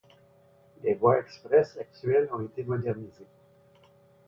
Les voies express actuelles ont été modernisées.